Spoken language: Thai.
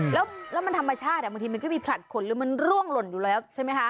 แล้วมันธรรมชาติบางทีมันก็มีผลัดขนหรือมันร่วงหล่นอยู่แล้วใช่ไหมคะ